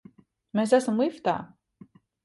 Mēs esam liftā!